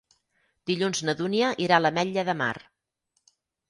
Dilluns na Dúnia irà a l'Ametlla de Mar.